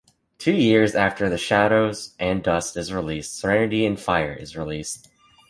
Two years after "Shadows and Dust" is released, "Serenity in Fire" is released.